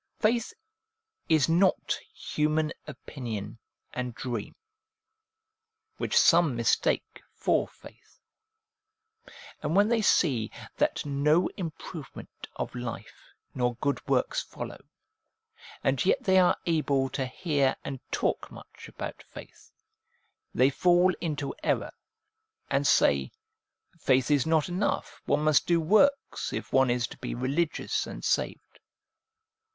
' Faith ' is not human opinion and dream, which some mistake for faith. And when they see that no improvement of life nor good works follow, and yet they are able to hear and talk much about faith, they fall into error., and say :' Faith is not enough ; one must do works, if one is to be religious and saved.'